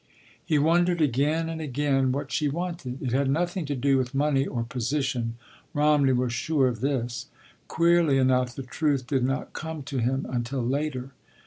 He wondered again and again what she wanted. It had nothing to do with money or position—Romney was sure of this. Queerly enough the truth did not come to him until later.